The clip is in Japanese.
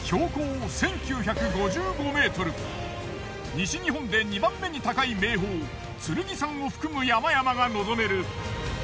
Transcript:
西日本で２番目に高い名峰剣山を含む山々が望める